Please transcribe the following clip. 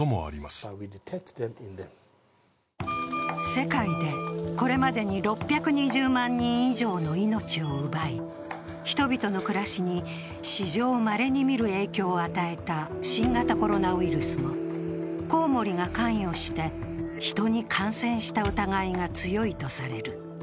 世界でこれまでに６２０万人以上の命を奪い人々の暮らしに史上まれに見る影響を与えた新型コロナウイルスもコウモリが関与してヒトに感染した疑いが強いとされる。